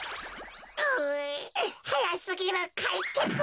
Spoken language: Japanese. うはやすぎるかいけつ。